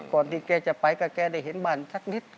ก่อนที่แกจะไปกับแกได้เห็นบ้านสักนิด